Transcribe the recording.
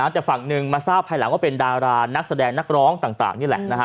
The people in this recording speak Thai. แต่ฝั่งหนึ่งมาทราบภายหลังว่าเป็นดารานักแสดงนักร้องต่างนี่แหละนะฮะ